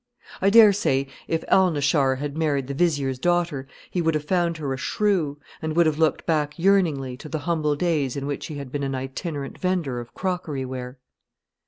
I dare say if Alnaschar had married the Vizier's daughter, he would have found her a shrew, and would have looked back yearningly to the humble days in which he had been an itinerant vendor of crockery ware.